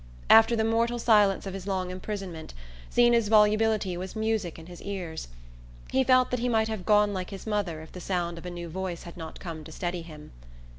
After the mortal silence of his long imprisonment Zeena's volubility was music in his ears. He felt that he might have "gone like his mother" if the sound of a new voice had not come to steady him.